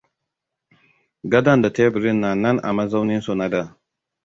Gadon da teburin na nan a mazauninsu na da.